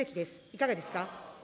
いかがですか。